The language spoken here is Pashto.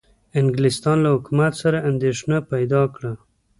انګلستان له حکومت سره اندېښنه پیدا کړه.